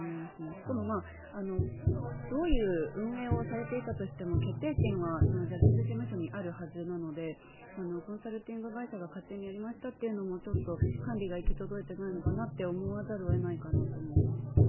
しかも、どういう運営をされていたとしても決定権はジャニーズ事務所にあるはずなのでコンサルティング会社が勝手にやりましたというのもちょっと、管理が行き届いていないのかなと思わざるを得ないかなと思いました。